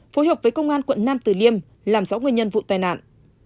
phối hợp với công an quận nam tử liêm làm rõ nguyên nhân vụ tai nạn